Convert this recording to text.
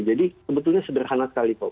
jadi sebetulnya sederhana sekali kok